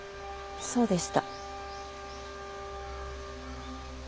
そうでした。